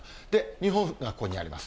日本がここにあります。